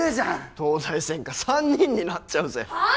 東大専科３人になっちゃうぜはあ！？